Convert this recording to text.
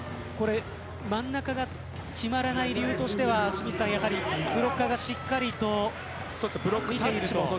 真ん中が決まらない理由としてはブロッカーがしっかりとついていると。